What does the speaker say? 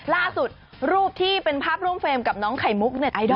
รูปที่เป็นภาพร่วมเฟรมกับน้องไข่มุกเน็ตไอดอ